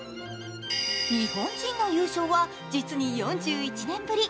日本人の優勝は実に４１年ぶり。